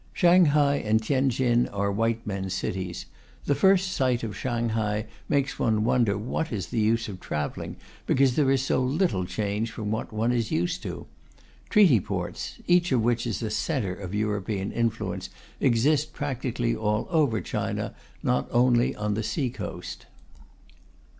Shanghai and Tientsin are white men's cities; the first sight of Shanghai makes one wonder what is the use of travelling, because there is so little change from what one is used to. Treaty Ports, each of which is a centre of European influence, exist practically all over China, not only on the sea coast.